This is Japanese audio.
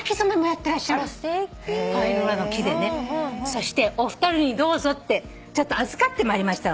そしてお二人にどうぞって預かってまいりましたので。